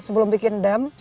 sebelum bikin dam